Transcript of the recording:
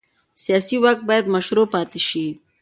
سیاسي واک باید مشروع پاتې شي